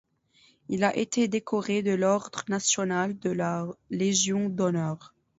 Il a été décoré de l’ordre national de la légion d'honneur.